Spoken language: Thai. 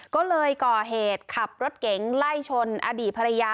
ก็เลยก่อเหตุขับรถเก๋งไล่ชนอดีตภรรยา